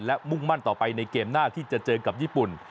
และมุ่งมั่นต่อไปในเกมหน้าที่จะเจอกับญี่ปุ่น